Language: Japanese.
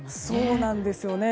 そうなんですよ。